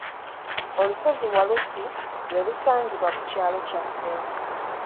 Olusozi Walusi lwe lusangibwa ku kyalo kyaffe.